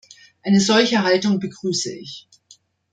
Eine solche Haltung begrüße ich.